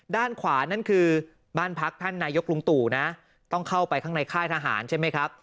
ด้านขวานั่นคือบ้านพักท่านนายกลุงตู่นะต้องเข้าไปข้างในค่ายทหารใช่ไหมครับ